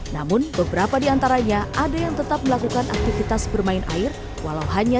namun beberapa diantaranya ada yang tetap melakukan aktivitas bermain air walau hanya